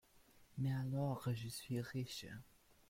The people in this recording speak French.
Mais alors, je suis riche !